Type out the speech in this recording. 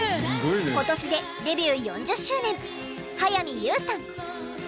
今年でデビュー４０周年早見優さん。